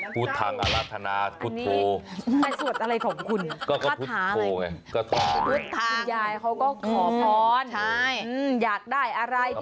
คุณยายเขาก็ขอพ้อนอยากได้อะไรขึ้น